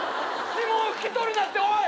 指紋拭き取るなっておい！